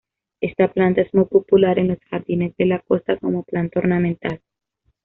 Esta planta es muy popular en los jardines de la costa como planta ornamental.